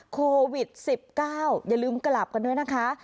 โควิด๑๙อย่าลืมกลับกันด้วยนะคะ